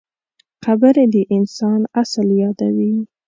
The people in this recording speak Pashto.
قبر د انسان اصل یادوي.